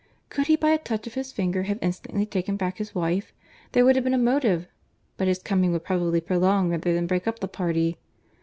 —Could he by a touch of his finger have instantly taken back his wife, there would have been a motive; but his coming would probably prolong rather than break up the party.